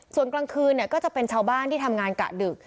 ส่วนกลางคืนก็จะเป็นชาวบ้านที่ทำงานกะดึก